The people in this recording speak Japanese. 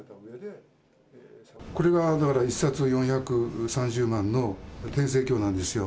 これがだから、１冊４３０万の天聖経なんですよ。